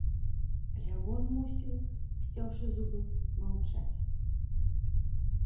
Лявон мусіў, сцяўшы зубы, маўчаць.